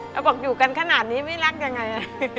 แล้วบอกอยู่กันขนาดนี้ไม่รักยังไง